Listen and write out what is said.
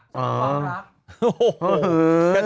อย่างไรอ่ะ